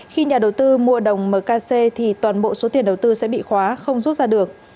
khi nhà đầu tư mua đồng mkc thì toàn bộ số tiền đầu tư sẽ bị khóa không rút ra được